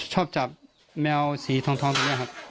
ชอบจับแมวสีทองแบบนี้ครับ